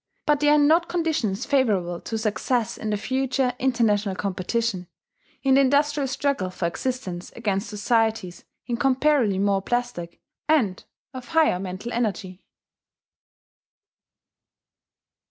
But they are not conditions favourable to success in the future international competition, in the industrial struggle for existence against societies incomparably more plastic, and of higher mental energy.